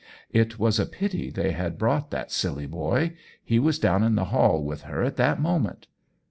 It was a pity they had brought that silly boy ; he was down in the hall with her at that moment.